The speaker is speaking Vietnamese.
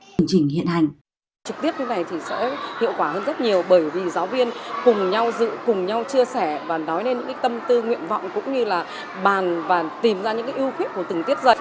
chương trình hiện hành trực tiếp như này thì sẽ hiệu quả hơn rất nhiều bởi vì giáo viên cùng nhau dự cùng nhau chia sẻ và nói lên những tâm tư nguyện vọng cũng như là bàn và tìm ra những ưu khuyết của từng tiết dạy